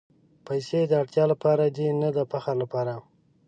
پېسې د اړتیا لپاره دي، نه د فخر لپاره.